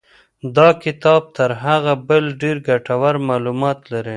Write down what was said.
دا کتاب تر هغه بل ډېر ګټور معلومات لري.